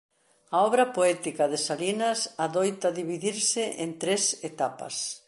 A obra poética de Salinas adoita dividirse en tres etapas.